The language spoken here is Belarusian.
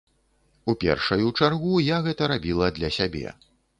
У першаю чаргу, я гэта рабіла для сябе.